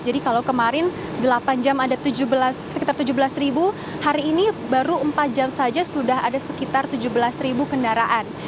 jadi kalau kemarin delapan jam ada sekitar tujuh belas ribu hari ini baru empat jam saja sudah ada sekitar tujuh belas ribu kendaraan